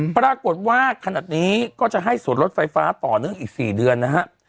ปรากฏว่าขนาดนี้ก็จะให้ส่วนลดไฟฟ้าต่อเนื่องอีก๔เดือนนะครับ